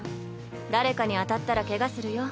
誰かに当たったらケガするよ。